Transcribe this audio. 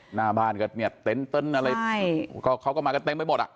หน้าบานกันเนี่ยเต้นอะไรเขาก็มากันเต้นไปหมดอะ